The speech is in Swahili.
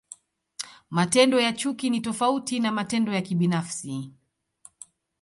Matendo ya chuki ni tofauti na matendo ya kibinafsi.